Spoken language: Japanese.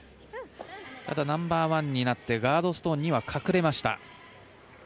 ただナンバーワンになってガードストーンには隠れました。